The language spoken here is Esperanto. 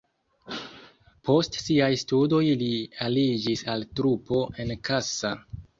Post siaj studoj li aliĝis al trupo en Kassa.